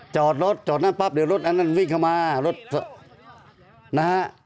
จอดรถจอดนั้นปั๊บเดี๋ยวรถอันนั้นวิ่งเข้ามารถนะฮะ